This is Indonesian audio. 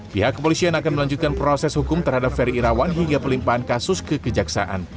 pihak kepolisian akan melanjutkan proses hukum terhadap ferry irawan hingga pelimpaan kasus kekejaksaan